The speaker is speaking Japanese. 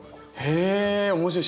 へえ面白い。